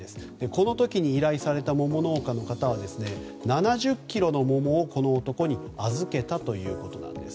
この時に依頼された桃農家の方は７０ｋｇの桃をこの男に預けたということです。